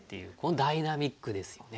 ダイナミックですよね。